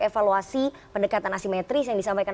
evaluasi pendekatan asimetris yang disampaikan